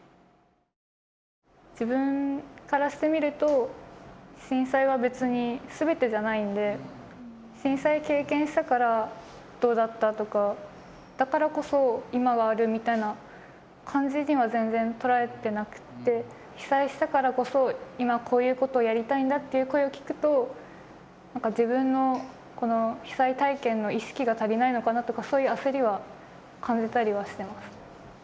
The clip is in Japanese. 自分からしてみると震災は別に全てじゃないんで震災経験したからどうだったとかだからこそ今があるみたいな感じには全然捉えてなくて被災したからこそ今こういうことをやりたいんだっていう声を聞くと何か自分のこの被災体験の意識が足りないのかなとかそういう焦りは感じたりはしてます。